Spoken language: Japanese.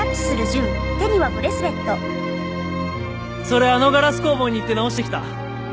それあのガラス工房に行って直してきた。